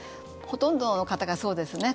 ほとんどの方がそうですね。